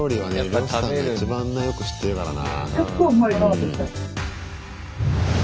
漁師さんが一番よく知ってるからな。